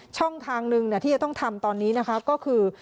ช่องทางหนึ่งที่จะต้องทำตอนนี้นะคะก็คือ